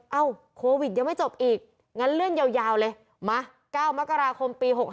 โควิดยังไม่จบอีกงั้นเลื่อนยาวเลยมา๙มกราคมปี๖๕